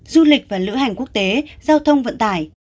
du lịch và lữ hành quốc tế giao thông vận tải